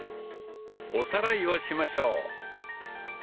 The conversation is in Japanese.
おさらいをしましょう。